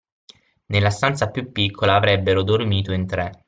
Nella stanza più piccola avrebbero dormito in tre.